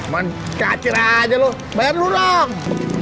man kacir aja lu bayar lu dong